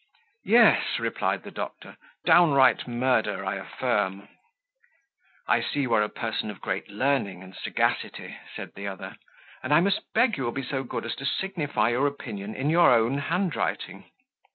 "Yes," replied the doctor, "downright murder, I affirm." "I see you are a person of great learning and sagacity," said the other; "and I must beg you will be so good as to signify your opinion in your own handwriting."